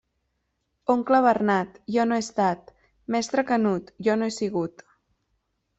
Oncle Bernat, jo no he estat; mestre Canut, jo no he sigut.